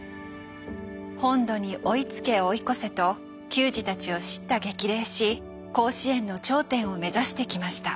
本土に追いつけ追い越せと球児たちを叱咤激励し甲子園の頂点を目指してきました。